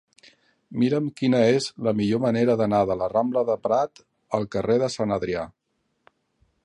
Mira'm quina és la millor manera d'anar de la rambla de Prat al carrer de Sant Adrià.